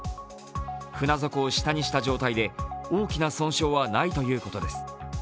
船底を下にした状態で大きな損傷はないということです。